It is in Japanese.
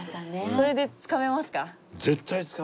それでつかめますか？